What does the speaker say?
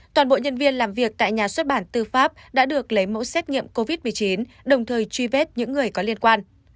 toàn bộ nhân viên làm việc tại nhà xuất bản tư pháp đã được lấy mẫu xét nghiệm covid một mươi chín đồng thời truy vết những người có liên quan